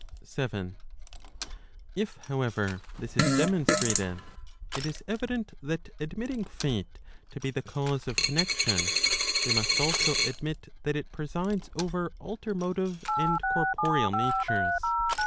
7. Ip however this is demonstrated, it is evident that admitting Fate to * be the cause of connexion, we must also admit that it presides over alter motive and corporeal natures.